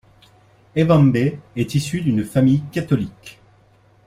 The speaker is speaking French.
Evembé est issu d'une famille catholique.